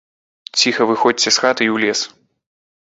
Ціха выходзьце з хаты і ў лес.